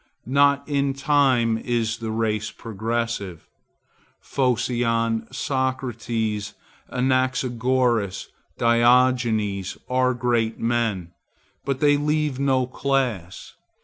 Not in time is the race progressive. Phocion, Socrates, Anaxagoras, Diogenes, are great men, but they leave no class.